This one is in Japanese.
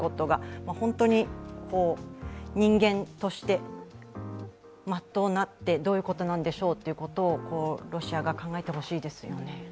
本当に人間として真っ当なってどういうことなんでしょうと、ロシアが考えてほしいですよね。